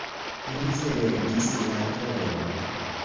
Ili cedis la vojon.